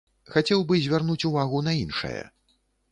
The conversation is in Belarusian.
Хацеў бы звярнуць увагу на іншае.